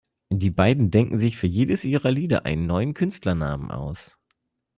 Die beiden denken sich für jedes ihrer Lieder einen neuen Künstlernamen aus.